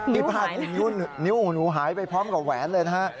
พี่พลาดหนูหายไปพร้อมกับแหวนเลยนะ